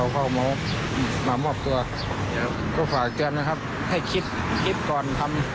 เขามามอบตัวก็ฝากกันนะครับให้คิดก่อนทำ